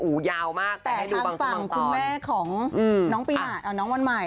อู่ยาวมากแต่ให้ดูบางซุมบางตอนแต่ทางฝั่งคุณแม่ของน้องวันใหม่